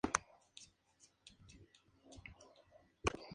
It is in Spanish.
Inicialmente, lo hicieron tropas de la guarnición de Bjelovar en Okučani.